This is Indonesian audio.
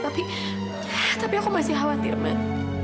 tapi tapi aku masih khawatir man